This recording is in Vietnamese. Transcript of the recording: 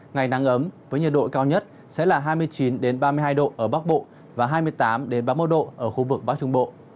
ngày nắng ấm với nhiệt độ cao nhất sẽ là hai mươi chín ba mươi hai độ ở bắc bộ và hai mươi tám ba mươi một độ ở khu vực bắc trung bộ